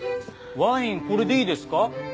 ワインこれでいいですか？